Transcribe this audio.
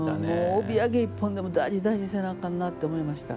帯揚げ１本でも大事に大事にせなあかんなって思いました。